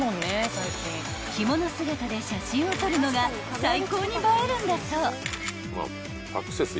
［着物姿で写真を撮るのが最高に映えるんだそう］